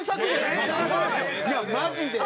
いやマジで。